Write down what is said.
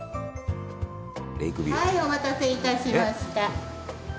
はいお待たせいたしました。